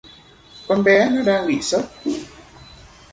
Còn bé nó đang bị sốc